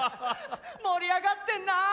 盛り上がってんなあ。